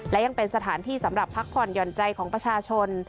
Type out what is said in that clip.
และยังเป็นสถานที่สำหรับพักผ่อนหย่อนใจของประชาชน